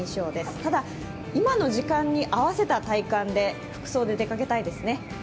ただ、今の時間に合わせた体感の服装で出かけたいですね。